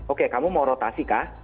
oke kamu mau rotasi kah